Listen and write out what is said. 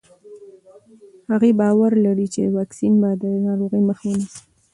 هغې باور لري چې واکسین به د ناروغۍ مخه ونیسي.